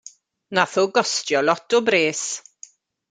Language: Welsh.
Nath o gostio lot o bres.